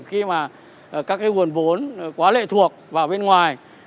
khi mà các cái nguồn vốn quá lệ thuộc vào bên ngoài